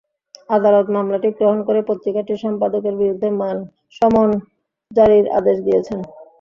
আদালত মামলাটি গ্রহণ করে পত্রিকাটির সম্পাদকের বিরুদ্ধে সমন জারির আদেশ দিয়েছেন।